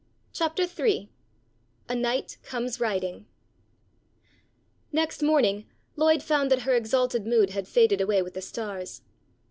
CHAPTER III A KNIGHT COMES RIDING NEXT morning Lloyd found that her exalted mood had faded away with the stars.